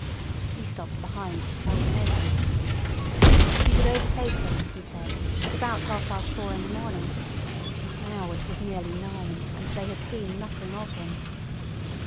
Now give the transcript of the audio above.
He stopped behind to tell the neighbours. He would overtake them, he said, at about half past four in the morning, and now it was nearly nine and they had seen nothing of him.